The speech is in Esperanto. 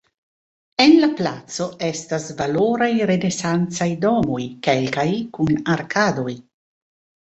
En la placo estas valoraj renesancaj domoj, kelkaj kun arkadoj.